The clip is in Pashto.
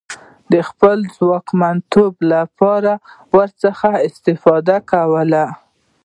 د خپل ځواکمنتوب لپاره یې ورڅخه استفاده کوله.